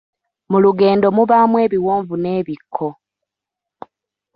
Mu lugendo mubaamu ebiwonvu n’ebikko.